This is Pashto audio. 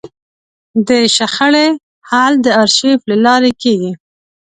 د شخړې حل د ارشیف له لارې کېږي.